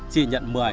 chị nhận một mươi